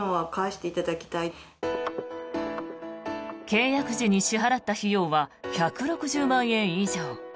契約時に支払った費用は１６０万円以上。